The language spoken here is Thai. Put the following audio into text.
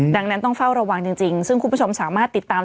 ดังนั้นต้องเฝ้าระวังจริงซึ่งคุณผู้ชมสามารถติดตาม